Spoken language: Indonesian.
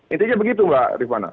intinya begitu mbak rifana